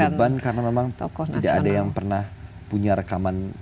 tentu ada beban karena memang tidak ada yang pernah punya film film yang seperti itu